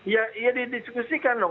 ya iya didiskusikan dong